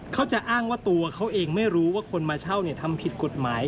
เขาจะอ้างว่าตัวเขาเองไม่รู้ว่าคนมาเช่าทำผิดกฎหมาย